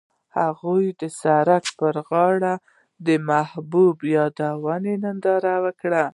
هغوی د سړک پر غاړه د محبوب یادونه ننداره وکړه.